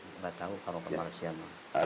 gak tau kalau ke malaysia mah